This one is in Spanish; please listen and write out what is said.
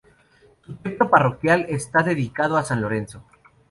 Su templo parroquial está dedicado a San Lorenzo.